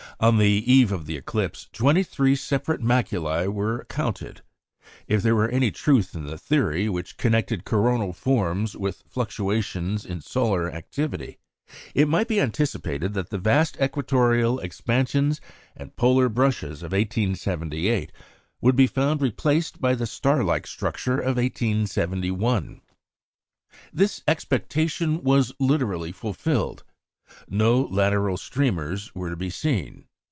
On the eve of the eclipse twenty three separate maculæ were counted. If there were any truth in the theory which connected coronal forms with fluctuations in solar activity, it might be anticipated that the vast equatorial expansions and polar "brushes" of 1878 would be found replaced by the star like structure of 1871. This expectation was literally fulfilled. No lateral streamers were to be seen.